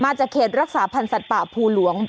จากเขตรักษาพันธ์สัตว์ป่าภูหลวง